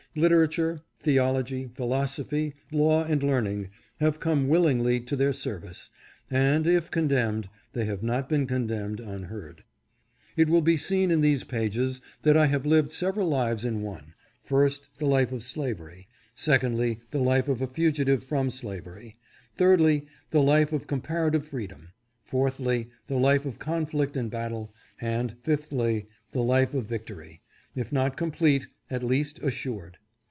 Literature, theology, philosophy, law and learning have come willingly to their service, and, if condemned, they have not been con demned unheard. It will be seen in these ' pages that I have lived several lives in one : first, the life of slavery ; secondly, the life of a fugitive from slavery ; thirdly, the life of compara 582 THE LAWS OF THE UNIVERSE UNALTERABLE. tive freedom ; fourthly, the life of conflict and battle ; and, fifthly, the life of victory, if not complete, at least assured.